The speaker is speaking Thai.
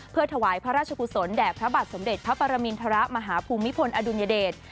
เพื่อถวายพระราชกุศลแด่พระบาทสมเด็จพระปรมินทรมาฮภูมิพลอดุลยเดช